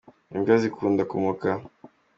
Imbwa zikunda kumoka.